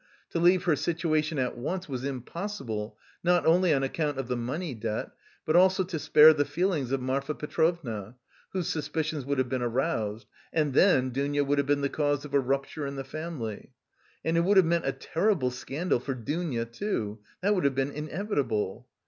To leave her situation at once was impossible not only on account of the money debt, but also to spare the feelings of Marfa Petrovna, whose suspicions would have been aroused: and then Dounia would have been the cause of a rupture in the family. And it would have meant a terrible scandal for Dounia too; that would have been inevitable.